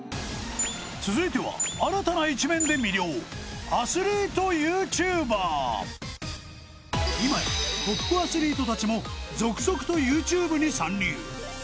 続いては今やトップアスリートたちも続々とＹｏｕＴｕｂｅに参入